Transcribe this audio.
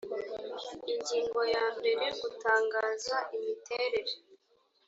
ingingo ya mbere gutangaza imiterere